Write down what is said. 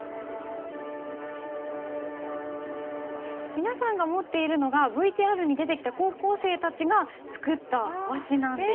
皆さんが持っているのがＶＴＲに出てきた高校生たちが作った和紙なんです。